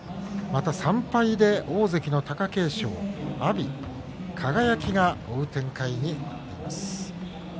また３敗で大関の貴景勝、阿炎輝が追う展開になっています。